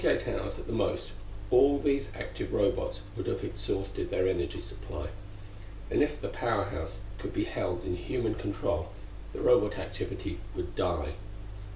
] In forty eight hours, at the most, all these active Robots would have exhausted their energy supply. And if the Power House could be held in human control, the Robot activity would die.